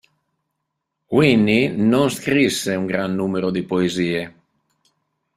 Wynne non scrisse un gran numero di poesie.